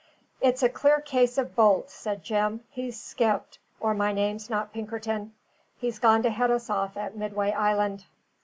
"It's a clear case of bolt," said Jim. "He's skipped, or my name's not Pinkerton. He's gone to head us off at Midway Island."